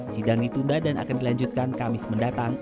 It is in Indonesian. sidang ditunda dan akan dilanjutkan kamis mendatang